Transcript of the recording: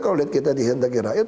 kalau lihat kita dihentak hentak